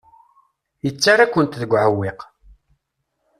Yettarra-kent deg uɛewwiq.